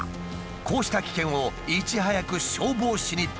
こうした危険をいち早く消防士に伝達。